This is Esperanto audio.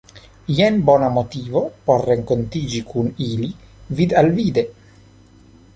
Jen bona motivo por renkontiĝi kun ili vid-al-vide.